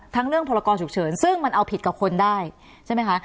เรื่องพรกรฉุกเฉินซึ่งมันเอาผิดกับคนได้ใช่ไหมคะ